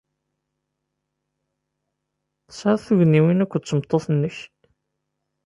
Tesɛiḍ tugniwin akked tmeṭṭut-nnek?